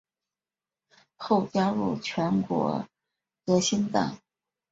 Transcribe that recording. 后加入全国革新党。